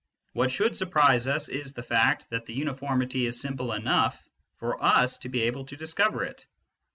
What should sjarprise us is the fact that the uniformity is simple enough for us to be able to discover it.